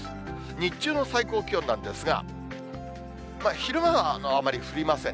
日中の最高気温なんですが、昼間はあんまり降りません。